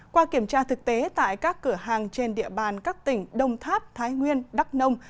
qua kiểm tra thực tế tại các cửa hàng trên địa bàn các tỉnh đông tháp thái nguyên đắk nông